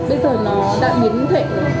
bây giờ nó đã biến thuệ